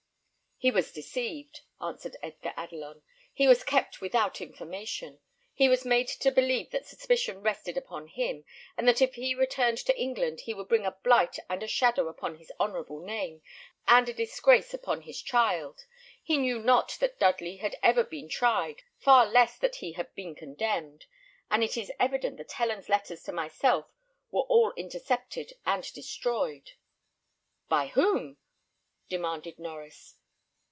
"He was deceived," answered Edgar Adelon. "He was kept without information. He was made to believe that suspicion rested upon him, and that if he returned to England, he would bring a blight and a shadow upon his honourable name, and a disgrace upon his child. He knew not that Dudley had ever been tried, far less that he had been condemned; and it is evident that Helen's letters to myself were all intercepted and destroyed." "By whom?" demanded Norries.